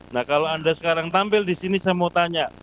nah kalau anda sekarang tampil di sini saya mau tanya